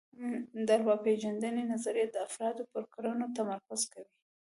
د ارواپېژندنې نظریه د افرادو پر کړنو تمرکز کوي